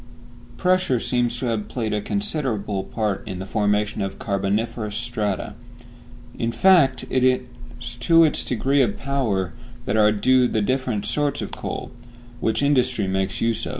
Pressure seems to have played a considerable part in the formation of carboniferous strata. In fact, it is to its degree of power that are due the different sorts of coal, of which industry makes use.